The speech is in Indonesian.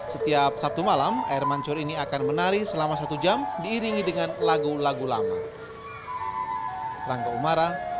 setiap sabtu malam air mancur ini akan menari selama satu jam diiringi dengan lagu lagu lama